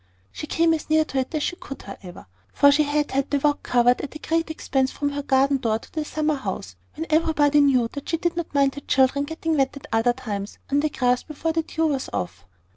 She came as near to it as she could, however; for she had had the walk covered in at great expense from her garden door to the summer house, when everybody knew she did not mind her children getting wet at other times on the grass before the dew was off.